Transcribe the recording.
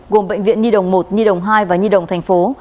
gồm bệnh viện nhi đồng một nhi đồng hai và nhi đồng thành phố